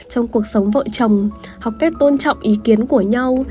trong cuộc sống vợ chồng học kết tôn trọng ý kiến của nhau